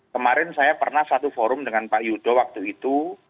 kemarin saya pernah satu forum dengan pak yudho waktu itu